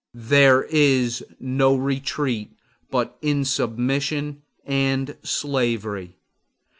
There is no retreat but in submission and slavery!